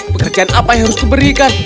pekerjaan apa yang harus diberikan